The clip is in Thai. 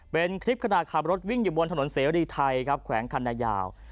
เป็นคลิปขณะขับรถวิ่งอยู่บนถนนเสรีไทยครับแขวงคันนายาว